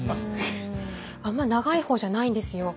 あんま長い方じゃないんですよ。